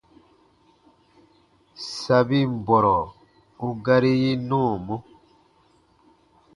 Sabin bɔrɔ u gari yi nɔɔmɔ.